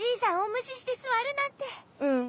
うん。